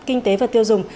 kinh tế và tiêu dùng